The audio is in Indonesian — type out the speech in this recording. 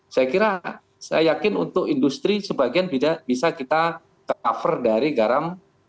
saya kira saya yakin untuk industri sebagian bisa kita cover dari garam